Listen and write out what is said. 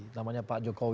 namanya pak jokowi